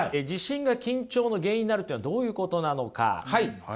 自信が緊張の原因になるっていうのはどういうことなのか。